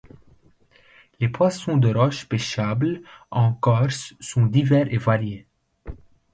Les poissons de roche pêchables en Corse sont divers et variés.